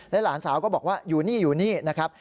หลานสาวก็บอกว่าอยู่นี่อยู่นี่นะครับ